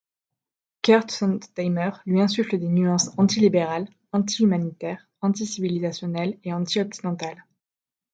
Kurt Sontheimer lui insuffle des nuances antilibérales, anti-humanitaire, anti-civilisationnelles et anti-occidentales.